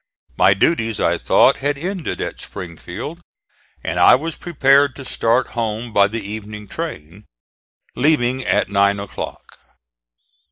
My duties, I thought, had ended at Springfield, and I was prepared to start home by the evening train, leaving at nine o'clock.